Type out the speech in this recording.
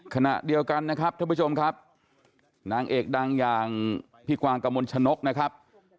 ขณะเดียวกันนะครับท่านผู้ชมครับนางเอกดังอย่างพี่กวางกระมวลชนกนะครับ